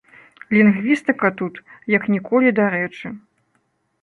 Лінгвістыка тут як ніколі дарэчы.